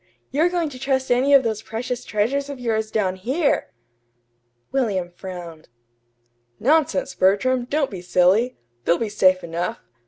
You're going to trust any of those precious treasures of yours down here!" William frowned. "Nonsense, Bertram, don't be silly! They'll be safe enough.